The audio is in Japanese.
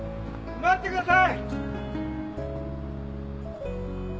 待ってください！